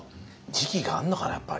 時期があんのかなやっぱ。